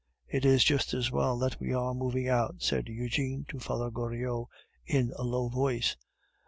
"It is just as well that we are moving out," said Eugene to Father Goriot in a low voice.